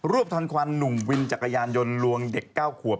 วบทันควันหนุ่มวินจักรยานยนต์ลวงเด็ก๙ขวบ